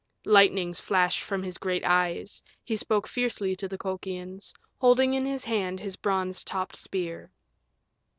Lightnings flashed from his great eyes; he spoke fiercely to the Colchians, holding in his hand his bronze topped spear.